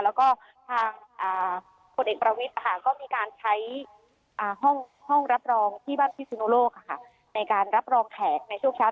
แล้วก็ทางผลเอกประวิทย์ก็มีการใช้ห้องรับรองที่บ้านพิสุนุโลกในการรับรองแขกในช่วงเช้า